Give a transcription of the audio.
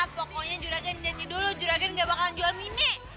pokoknya juragen janji dulu juragen gak bakalan jual mini